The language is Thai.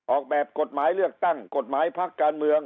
ออกแบบกฎหมายเลือกตั้งกฎหมายพักการเมือง